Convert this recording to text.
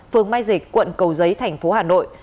phường mai dịch quận cầu giấy tp hà nội